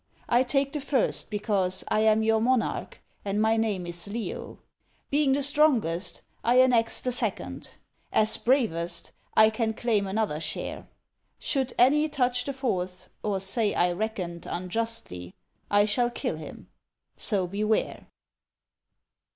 I take the first, because I am your monarch, and my name is Leo: Being the strongest, I annex the second; As bravest, I can claim another share, Should any touch the fourth, or say I reckoned Unjustly, I shall kill him. So beware."